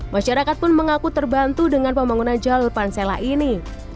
masyarakat pun mengaku terbantu dengan pembangunan jalur pansela ini